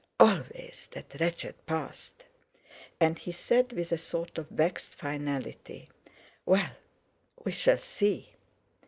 Always that wretched past! And he said with a sort of vexed finality: "Well, we shall see."